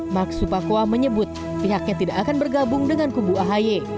max supakwa menyebut pihaknya tidak akan bergabung dengan kubu ahy